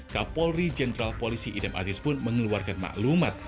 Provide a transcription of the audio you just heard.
kapolri jenderal polisi idam aziz pun mengeluarkan maklumat